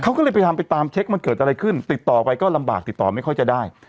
เขาก็เลยพยายามไปตามเช็คมันเกิดอะไรขึ้นติดต่อไปก็ลำบากติดต่อไม่ค่อยจะได้